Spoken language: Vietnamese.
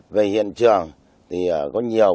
về hiện trường thì nó xảy ra lâu